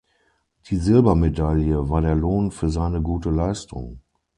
Die Silbermedaille war der Lohn für seine gute Leistung.